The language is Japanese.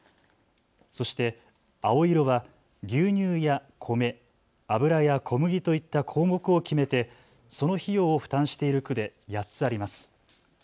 そして青色は牛乳や米、油や小麦といった項目を決めてその費用を負担している区で８つあります。